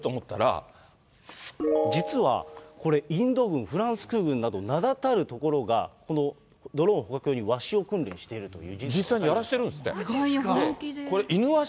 実はこれ、インド軍、フランス空軍など、名だたるところが、このドローン捕獲用にワシを訓練しているという。